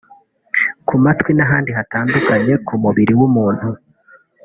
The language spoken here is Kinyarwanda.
ku matwi n’ahandi hatandukanye ku mubiri w’umuntu